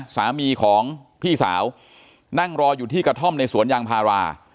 สามีของพี่สาวนั่งรออยู่ที่กระท่อมในสวนยางพารา